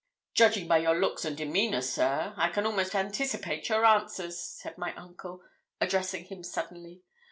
'Judging by your looks and demeanour, sir, I can almost anticipate your answers,' said my uncle, addressing him suddenly.